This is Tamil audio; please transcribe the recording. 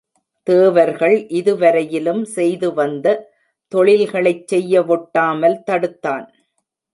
தேவர்கள் இதுவரையிலும் செய்து வந்த தொழில்களைச் செய்ய வொட்டாமல் தடுத்தான்.